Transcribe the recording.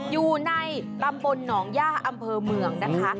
อยู่ในตำบลหนองย่าอำเภอเมืองนะคะ